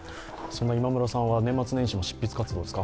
今村さんは年末年始も執筆活動ですか？